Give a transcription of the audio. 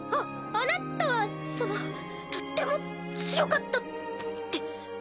あなたはそのとっても強かったです。